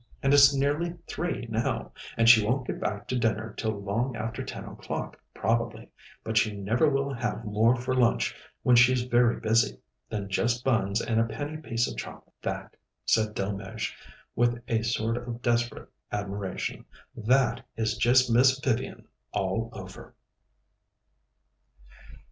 And it's nearly three now, and she won't get back to dinner till long after ten o'clock, probably; but she never will have more for lunch, when she's very busy, than just buns and a penny piece of chocolate. That," said Miss Delmege, with a sort of desperate admiration "that is just Miss Vivian all over!"